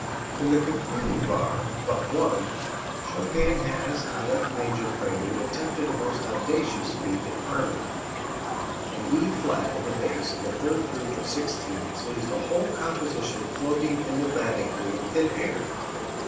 In the concluding bar, but one, Chopin has in the F major Prelude attempted a most audacious feat in harmony. An E flat in the bass of the third group of sixteenths leaves the whole composition floating enigmatically in thin air.